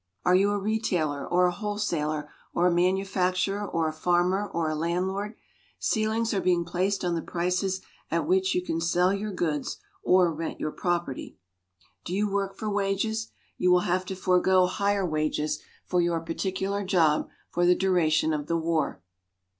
Are you a retailer or a wholesaler or a manufacturer or a farmer or a landlord? Ceilings are being placed on the prices at which you can sell your goods or rent your property. Do you work for wages? You will have to forego higher wages for your particular job for the duration of the war.